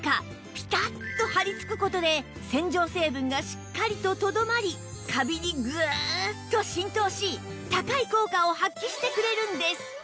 ピタッと張りつく事で洗浄成分がしっかりととどまりカビにグーッと浸透し高い効果を発揮してくれるんです